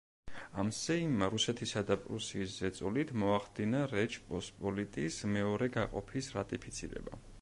ამ სეიმმა, რუსეთისა და პრუსიის ზეწოლით, მოახდინა რეჩ პოსპოლიტის მეორე გაყოფის რატიფიცირება.